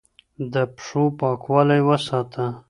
د پښو پاکوالی وساته